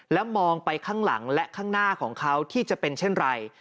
แล้วมองไปข้างหลังและข้างหน้าของเขาที่จะเป็นเช่นไร